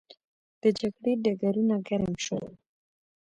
د جګړې ډګرونه ګرم شول.